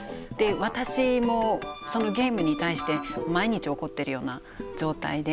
私もそのゲームに対して毎日怒ってるような状態で。